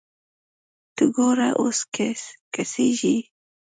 ته ګوره اوس کسږي